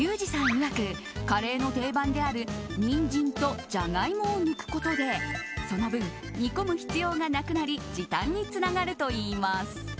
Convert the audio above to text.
いわくカレーの定番であるニンジンとジャガイモを抜くことでその分、煮込む必要がなくなり時短につながるといいます。